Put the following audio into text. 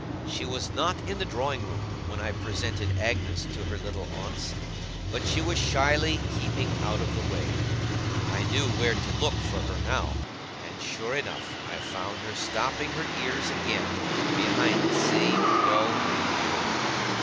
She was not in the drawing room when I presented Agnes to her little aunts, but was shyly keeping out of the way. I knew where to look for her, now; and sure enough I found her stopping her ears again, behind the same dull old door.